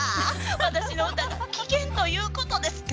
私の歌が危険ということですか？